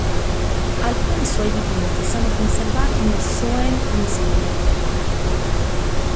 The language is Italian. Alcuni suoi dipinti sono conservati nel Soane Museum.